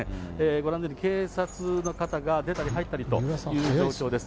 ご覧のように警察の方が出たり入ったりという状況です。